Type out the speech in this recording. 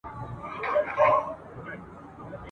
جهاني پر هغه دښته مي سفر سو ..